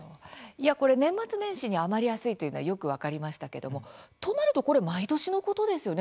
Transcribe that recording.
年末年始に余りやすいというのはよく分かりましたけどもとなるとこれ毎年のことですよね